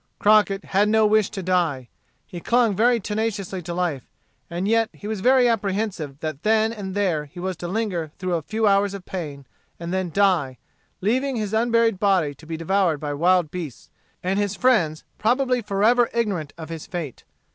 Crockett had no wish to die. He clung very tenaciously to life, and yet he was very apprehensive that then and there he was to linger through a few hours of pain, and then die, leaving his unburied body to be devoured by wild beasts, and his friends probably forever ignorant of his fate.